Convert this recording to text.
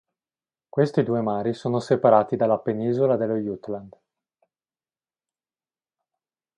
Questi due mari sono separati dalla penisola dello Jutland.